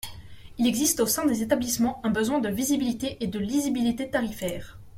Il existe au sein des établissements un besoin de visibilité et de lisibilité tarifaires.